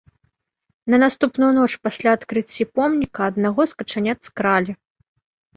На наступную ноч пасля адкрыцці помніка аднаго з качанят скралі.